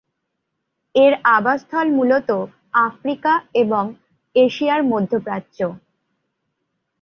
এর আবাসস্থল মূলত আফ্রিকা এবং এশিয়ার মধ্যপ্রাচ্য।